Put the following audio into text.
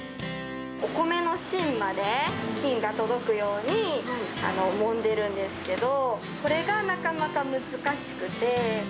お米の芯まで菌が届くようにもんでるんですけど、これがなかなか難しくて。